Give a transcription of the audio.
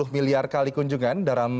sepuluh miliar kali kunjungan dalam